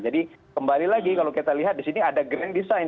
jadi kembali lagi kalau kita lihat di sini ada grand design